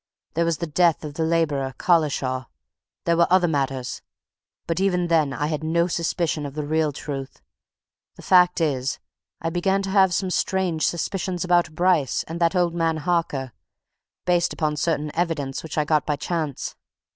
There was the death of the labourer Collishaw. There were other matters. But even then I had no suspicion of the real truth the fact is, I began to have some strange suspicions about Bryce and that old man Harker based upon certain evidence which I got by chance.